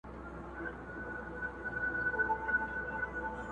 او نوموړی ډېر مېلمه پال سړی وو.